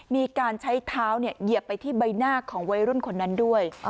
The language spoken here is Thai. มีการใช้เท้าเหยียบไปที่ใบหน้าของวัยรุ่นคนนั้นด้วย